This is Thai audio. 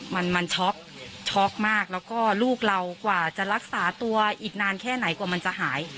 มันมันช็อกช็อกมากแล้วก็ลูกเรากว่าจะรักษาตัวอีกนานแค่ไหนกว่ามันจะหาย